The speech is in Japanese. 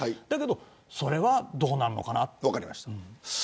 だけどそれは、どうなるのかなと。